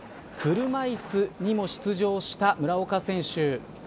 車椅子にも出場した村岡選手。